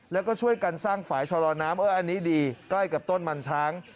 แล้วก็ช่วยกันสร้างฝ่ายชะลอน้ำอันนี้ดีใกล้กับต้นมันช้าง